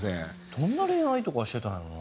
どんな恋愛とかしてたんやろうな。